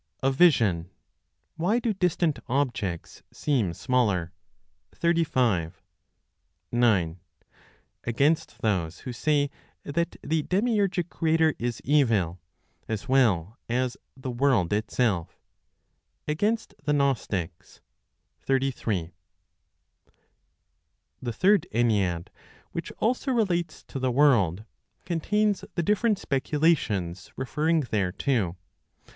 Of Vision. Why do Distant Objects Seem Smaller? 35. 9. (Against Those Who say that the Demiurgic Creator is Evil, as well as The World Itself), Against the Gnostics, 33. The Third Ennead, which also relates to the world, contains the different speculations referring thereto.